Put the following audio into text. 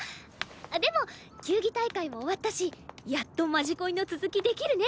でも球技大会も終わったしやっと「まじこい」の続きできるね。